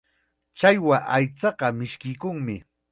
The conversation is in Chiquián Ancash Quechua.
Challwa aychaqa mishkiykunmi.